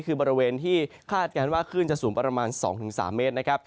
คือบริเวณที่คาดการณ์ว่าคลื่นจะสูงประมาณ๒๓เมตรนะครับ